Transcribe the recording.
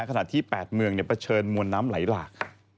ขณะที่๘เมืองเผชิญมวลน้ำไหลหลาก